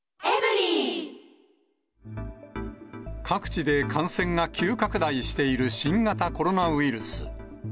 各地で感染が急拡大している新型コロナウイルス。